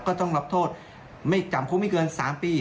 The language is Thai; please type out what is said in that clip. ก็ต้องรับโทษไม่จำคุกไม่เกิน๓ปี